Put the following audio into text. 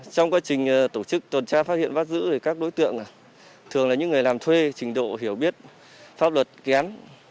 trong quá trình tổ chức tồn tra phát hiện vắt giữ để các đối tượng thường là những người làm thuê trình độ hiểu biết pháp luật kén